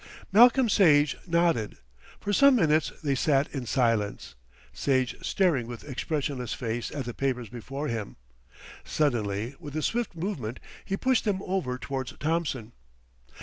Malcolm Sage nodded. For some minutes they sat in silence, Sage staring with expressionless face at the papers before him. Suddenly with a swift movement he pushed them over towards Thompson.